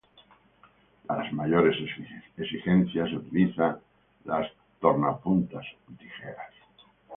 Para mayores exigencias se utilizan las tornapuntas o tijeras.